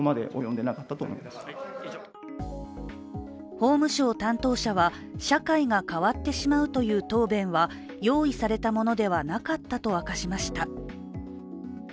法務省担当者は、社会が変わってしまうという答弁は用意されたものではなかったと明かしました。